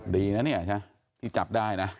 ดีนะนี่จับได้นะ